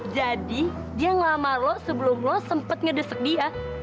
jadi dia ngelamar lo sebelum lo sempat ngedesek dia